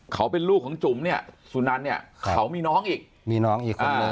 เขาเป็นลูกของจู๋มสุนันเขามีน้องอีก